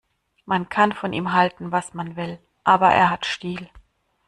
Man kann von ihm halten, was man will, aber er hat Stil.